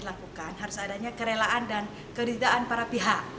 artinya poligami ini boleh dilakukan harus adanya kerelaan dan keridaan para pihak